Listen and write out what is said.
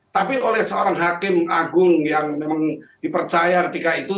tapi oleh seorang hakim agung yang memang dipercaya ketika itu